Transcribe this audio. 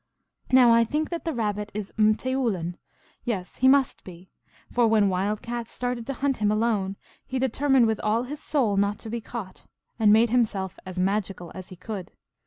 Now I think that the Rabbit is mteoulin. Yes, he must be, for when Wild Cat started to hunt him alone, he determined with all his soul not to be caught, and made himself as magical as he could.